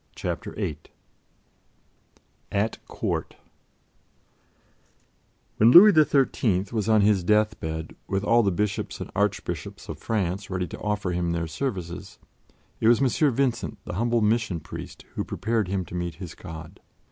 Chapter 8 AT COURT WHEN Louis XIII was on his deathbed, with all the Bishops and Archbishops of France ready to offer him their services, it was M. Vincent, the humble Mission Priest, who prepared him to meet his God.